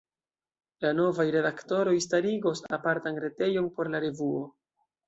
La novaj redaktoroj starigos apartan retejon por la revuo.